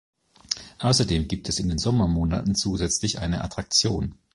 Außerdem gibt es in den Sommermonaten zusätzlich eine Attraktion.